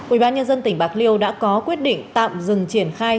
ủy ban nhân dân tỉnh bạc liêu đã có quyết định tạm dừng triển khai